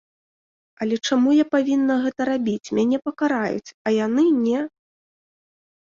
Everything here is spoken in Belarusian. Але чаму я павінна гэта рабіць, мяне пакараюць, а яны не?